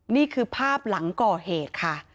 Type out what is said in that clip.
นี่คือภาพหลังก่อเหตุค่ะ